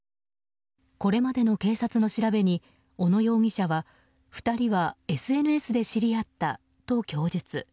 これまでの警察の調べに小野容疑者は２人はＳＮＳで知り合ったと供述。